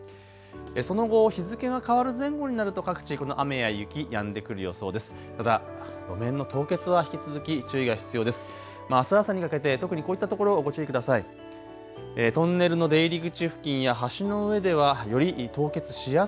その後、日付が変わる前後になると各地の雨や雪やんでくる予想です。